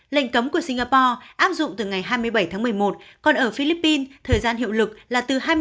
lệnh cấm của singapore áp dụng từ ngày hai mươi bảy tháng một mươi một còn ở philippines thời gian hiệu lực là từ hai mươi bảy